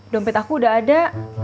dompet aku udah ada